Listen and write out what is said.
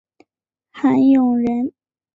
韩永人。